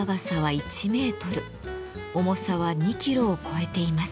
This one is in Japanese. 重さは２キロを超えています。